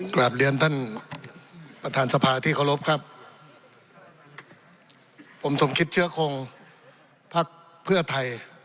กลับเรียนท่านประธานสภาที่เคารพครับผมสมคิดเชื้อคงพักเพื่อไทย